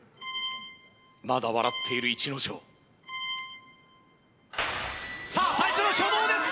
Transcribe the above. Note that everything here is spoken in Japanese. まだ笑っている逸ノ城さあ最初の初動です